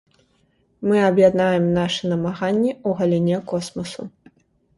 Мы аб'яднаем нашы намаганні ў галіне космасу.